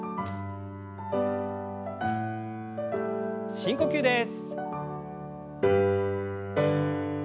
深呼吸です。